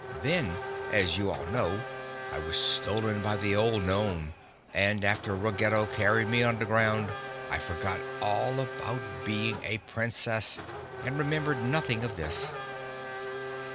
Then, as you all know, I was stolen by the old gnome and after Ruggedo carried me underground I forgot all about being a Princess and remembered nothing of this."